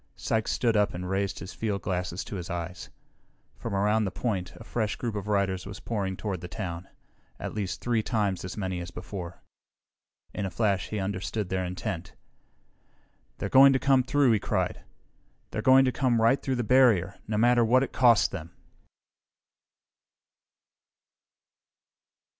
Sykes stood up and raised his fieldglasses to his eyes. From around the point a fresh group of riders was pouring toward the town. At least three times as many as before. In a flash, he understood their intent. "They're going to come through!" he cried. "They're going to come right through the barrier, no matter what it costs them!"